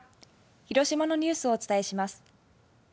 広島のニュースをお伝えします。